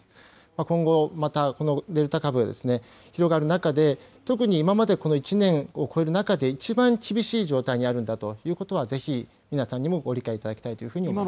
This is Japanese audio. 今後、またこのデルタ株、広がる中で、特に今までこの１年を超える中で一番厳しい状態にあるんだということはぜひ皆さんにもご理解いただきたいというふうに思います。